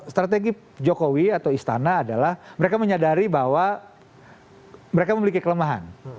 strategi jokowi atau istana adalah mereka menyadari bahwa mereka memiliki kelemahan